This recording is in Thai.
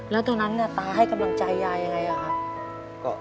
แล้วตอนนั้นตาให้กำลังใจยายยังไงอะครับ